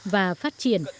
và phát triển